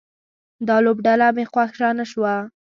دا لوبډله مې خوښه نه شوه